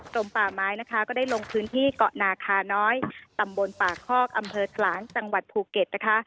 ลมป่าไม้นะคะก็ได้ลงพื้นที่เกาะนาคาน้อยตำบลป่าคอกอำเภอขลางจังหวัดภูเก็ตนะคะ